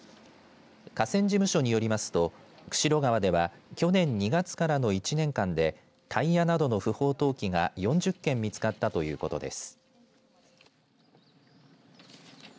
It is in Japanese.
河川事務所によりますと釧路川では去年２月からの１年間でタイヤなどの不法投棄が４０件見つかったということです。